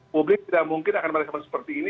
publik tidak mungkin akan merespon seperti ini